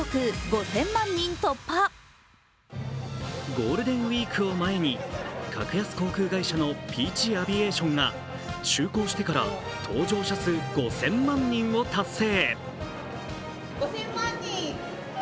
ゴールデンウイークを前に格安航空会社のピーチ・アビエーションが就航してから搭乗者数５０００万人を達成。